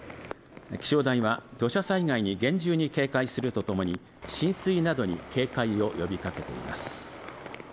気象台は土砂災害に厳重に警戒するとともに浸水などに警戒を呼びかけています